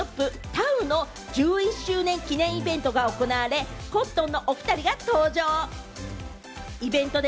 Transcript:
Ｔａｕの１１周年記念イベントが行われ、コットンのおふたりが登場。